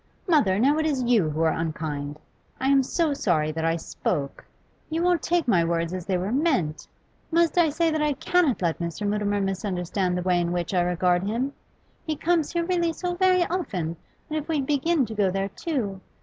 'Mother, now it is you who are unkind. I am so sorry that I spoke. You won't take my words as they were meant. Must I say that I cannot let Mr. Mutimer misunderstand the way in which. I regard him? He comes here really so very often, and if we begin to go there too